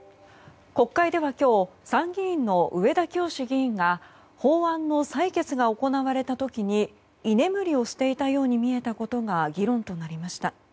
国会では今日参議院の上田清司議員が法案の採決が行われる時に居眠りをしていたように見えたことが議論になりました。